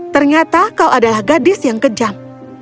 ternyata kau adalah gadis yang kejam